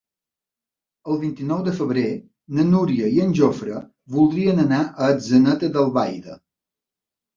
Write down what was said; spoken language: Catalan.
El vint-i-nou de febrer na Núria i en Jofre voldrien anar a Atzeneta d'Albaida.